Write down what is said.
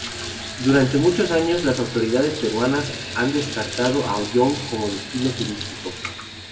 Durante muchos años las autoridades peruanas han descartado a Oyón como destino turístico.